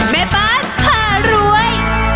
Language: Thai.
แม่บ้านผ่ารวย